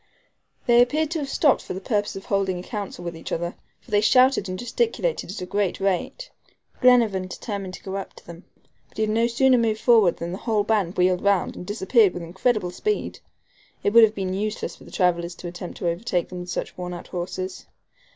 They appeared to have stopped for the purpose of holding a council with each other, for they shouted and gesticulated at a great rate. Glenarvan determined to go up to them; but he had no sooner moved forward than the whole band wheeled round, and disappeared with incredible speed. It would have been useless for the travelers to attempt to overtake them with such wornout horses.